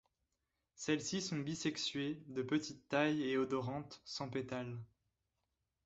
Celles-ci sont bisexuées, de petite taille et odorantes, sans pétales.